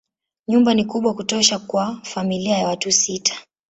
Nyumba ni kubwa kutosha kwa familia ya watu sita.